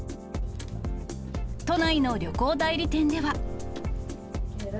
都内の旅行代理店では。